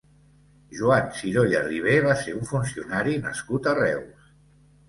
Joan Sirolla Ribé va ser un funcionari nascut a Reus.